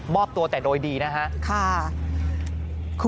ปี๖๕วันเช่นเดียวกัน